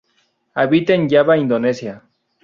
Habita en Java Indonesia.